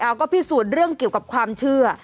ก็พิสูจน์เรื่องเกี่ยวกับความเชื่อ